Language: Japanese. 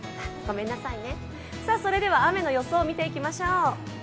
それでは雨の予想、見ていきましょう。